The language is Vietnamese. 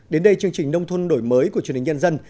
đến đây chương trình nông thôn đổi mới của truyền hình nhân dân